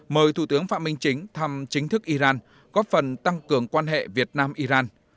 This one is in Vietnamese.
mời thủ tướng phạm minh chính thăm chính thức iran góp phần tăng cường quan hệ việt nam iran